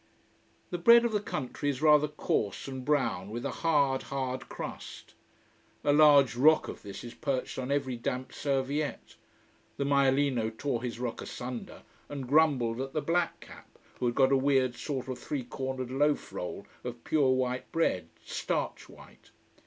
The bread of the country is rather coarse and brown, with a hard, hard crust. A large rock of this is perched on every damp serviette. The maialino tore his rock asunder, and grumbled at the black cap, who had got a weird sort of three cornered loaf roll of pure white bread starch white.